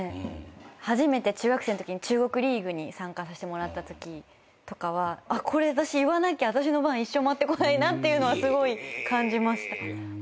初めて中学生のときに中国リーグに参加させてもらったときとかはこれ私言わなきゃ私の番一生回ってこないなっていうのはすごい感じました。